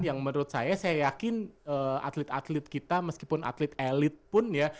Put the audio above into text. yang menurut saya saya yakin atlet atlet kita meskipun atlet elit pun ya